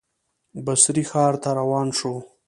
بصرې ښار ته روان شو.